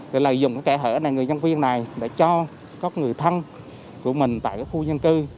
thì là dùng cái kẻ hở này người nhân viên này để cho các người thân của mình tại khu nhân cư